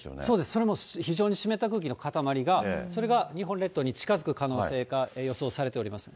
それも非常に湿った空気の固まりが、それが日本列島に近づく可能性が予想されております。